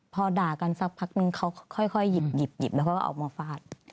พอด่ากันสักพักนึงเขาค่อยหยิบแล้วค่อยว่าออกมาฟาด